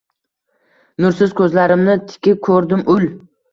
Nursiz ko’zlarimni tikib ko’rdim, ul